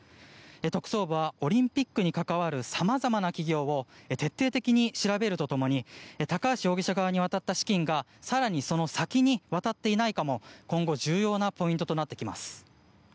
特捜部はオリンピックに関わるさまざまな企業を徹底的に調べると共に高橋容疑者側に渡った資金が更にその先に渡っていないかも今後重要なポイントとなってきます。